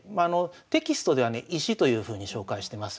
テキストではね「石」というふうに紹介してます。